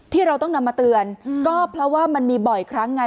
ที่เราต้องนำมาเตือนก็เพราะว่ามันมีบ่อยครั้งไง